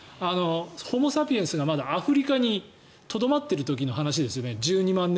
ホモ・サピエンスがまだアフリカにとどまっている時の話ですよね。